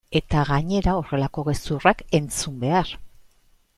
Eta gainera horrelako gezurrak entzun behar!